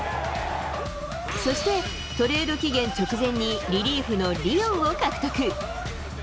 そして、トレード期限直前にリリーフのリオンを獲得。